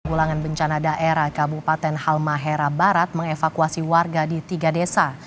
gulangan bencana daerah kabupaten halmahera barat mengevakuasi warga di tiga desa